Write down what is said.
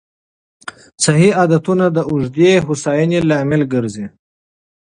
صحي عادتونه د اوږدې هوساینې لامل ګرځي.